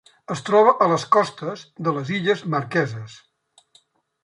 Es troba a les costes de les Illes Marqueses.